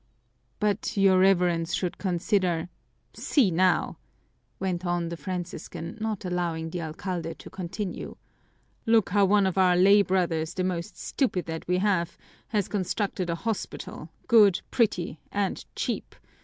"But your Reverence should consider " "See now," went on the Franciscan, not allowing the alcalde to continue, "look how one of our lay brothers, the most stupid that we have, has constructed a hospital, good, pretty, and cheap.